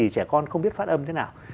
trẻ con không biết phát âm thế nào